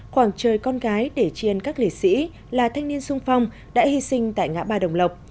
khoảng trời con gái để chiên các liệt sĩ là thanh niên sung phong đã hy sinh tại ngã ba đồng lộc